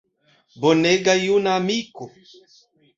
Bonega juna amiko!